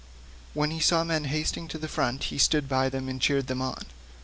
When he saw men hasting to the front he stood by them and cheered them on.